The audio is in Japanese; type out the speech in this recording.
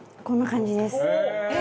こんな感じです。